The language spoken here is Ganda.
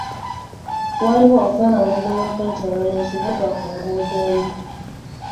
Waaliwo okwemulugunya okwetooloola ekibuga ku nguudo embi.